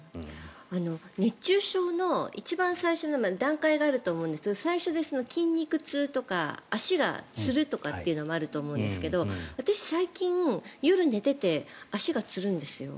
熱中症の一番最初の段階があると思うんですが最初、筋肉痛とか足がつるとかってのもあると思うんですけど私最近、夜、寝てて足がつるんですよ。